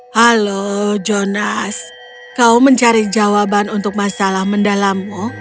halo jonas kau mencari jawaban untuk masalah mendalammu